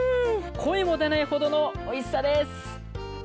声も出ないほどのおいしさです！